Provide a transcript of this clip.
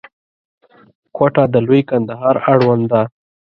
کوټه د لوی کندهار اړوند ده.